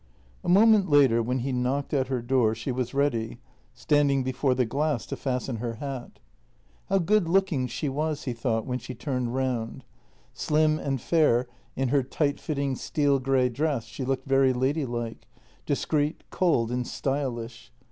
" A moment later when he knocked at her door she was ready, standing before the glass to fasten her hat. JENNY 263 How good looking she was, he thought, when she turned round. Slim and fair in her tight fitting steel grey dress, she looked very ladylike — discreet, cold, and stylish.